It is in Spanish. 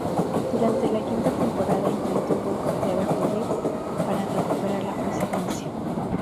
Durante la quinta temporada intentó boicotear a Judith para recuperar la presidencia.